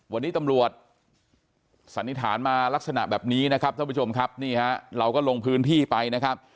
วันนี้ตำรวจสันนิษฐานมาลักษณะแบบนี้นะครับท่านผู้ชมครับนี่ฮะเราก็ลงพื้นที่ไปนะครับ